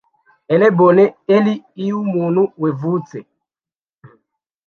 erebone eri iyu muntu wevutse